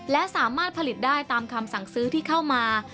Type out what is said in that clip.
และสามารถผลิตได้ตามคำสั่งซื้อที่เข้ามา